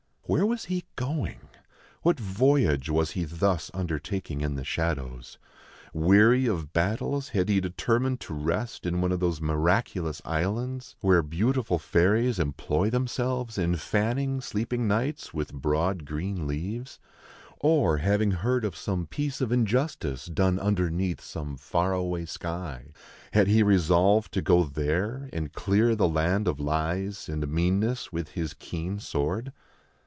Where was he going ? What voyage was he thus under taking in the shadows ? Weary of battles, had he determined to rest in one of those miraculous islands where beautiful LORD ROLAND'S GRIEF i35 fairies employ themselves in fanning sleeping knights with broad green leaves ? Or, having heard of some piece of injus tice done underneath some far away sky, had he resolved to go there, and clear the land of lies and meanness with his keen sword